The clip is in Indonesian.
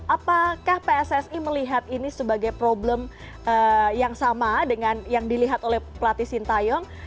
apakah pssi melihat ini sebagai problem yang sama dengan yang dilihat oleh pelatih sintayong